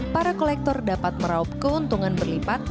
para kolektor dapat meraup keuntungan berlipat